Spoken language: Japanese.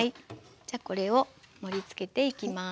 じゃあこれを盛りつけていきます。